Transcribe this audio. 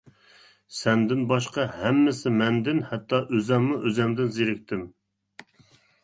سەندىن باشقا ھەممىسى مەندىن، ھەتتا ئۆزۈممۇ-ئۆزۈمدىن زېرىكتىم.